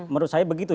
menurut saya begitu